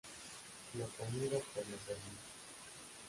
Lo comido por lo servido